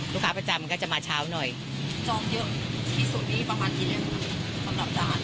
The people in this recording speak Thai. ลูกค้าประจำมันก็จะมาเช้าหน่อยจองเยอะที่สุดนี้ประมาณกี่เล่มค่ะ